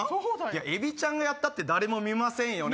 えびちゃんがやったって誰も見ませんよね？